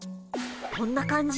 こんな感じ？